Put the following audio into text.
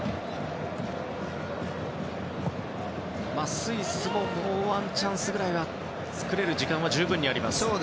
スイスももうワンチャンスぐらい作れる時間は十分にあります。